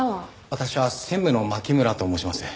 私は専務の槇村と申します。